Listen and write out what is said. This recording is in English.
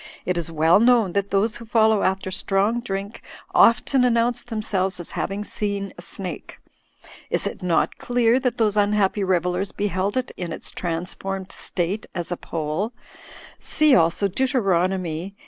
It is well known that those who follow after strong drink often announce themselves as having seen a snake. Is it not clear that those imhappy revellers beheld it in its transformed state as a pole; see also Deut. xviii.